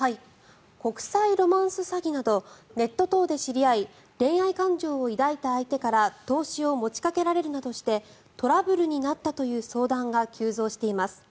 国際ロマンス詐欺などネット等で知り合い恋愛感情を抱いた相手から投資を持ちかけられるなどしてトラブルになったという相談が急増しています。